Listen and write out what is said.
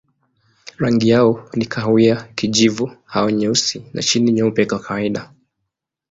Rangi yao ni kahawia, kijivu au nyeusi na chini nyeupe kwa kawaida.